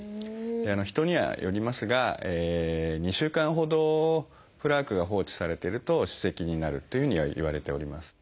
人にはよりますが２週間ほどプラークが放置されてると歯石になるというふうにはいわれております。